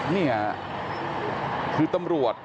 นี่คือตำรวจ